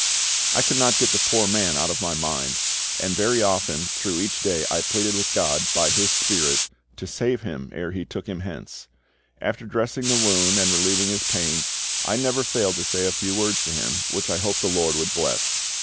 I could not get the poor man out of my mind, and very often through each day I pleaded with GOD, by His SPIRIT, to save him ere He took him hence. After dressing the wound and relieving his pain, I never failed to say a few words to him, which I hoped the LORD would bless.